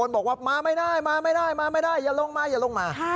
บอกว่ามาไม่ได้มาไม่ได้มาไม่ได้อย่าลงมาอย่าลงมา